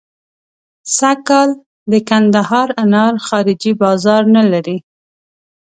سږکال د کندهار انار خارجي بازار نه لري.